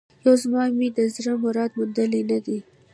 یو زمان مي د زړه مراد موندلی نه دی